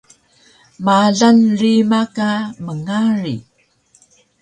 Malan rima ka mngari